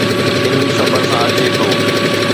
علم صبر سان اچي ٿو